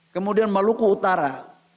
kemudian maluku utara